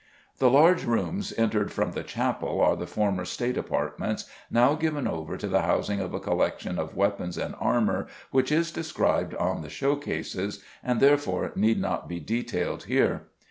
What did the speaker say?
The large rooms entered from the chapel are the former State apartments, now given over to the housing of a collection of weapons and armour which is described on the show cases, and therefore need not be detailed here.